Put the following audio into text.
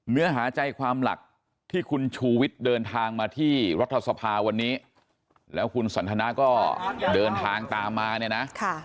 เนื้อหาใจความหลักที่คุณชูวิทย์เดินทางมาที่รัฐสภาวันนี้แล้วคุณสันทนาก็เดินทางตามมาเนี่ยนะ